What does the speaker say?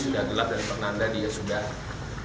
sudah gelap dan penanda dia sudah